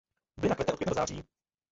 Bylina kvete od května do září.